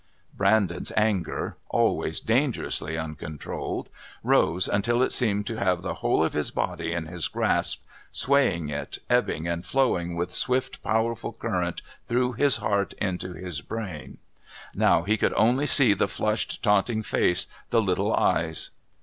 Brandon's anger always dangerously uncontrolled rose until it seemed to have the whole of his body in his grasp, swaying it, ebbing and flowing with swift powerful current through his heart into his brain. Now he could only see the flushed, taunting face, the little eyes....